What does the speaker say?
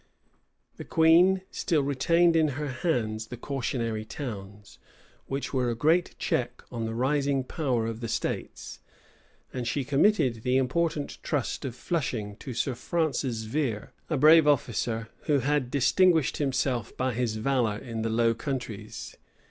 } The queen still retained in her hands the cautionary towns, which were a great check on the rising power of the states; and she committed the important trust of Flushing to Sir Francis Vere, a brave officer, who had distinguished himself by his valor in the Low Countries.